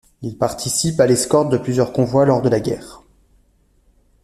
Il participe à l'escorte de plusieurs convois lors de la guerre.